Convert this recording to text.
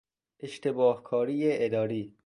اشتباهکاری اداری